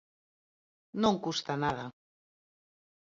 Non custa nada.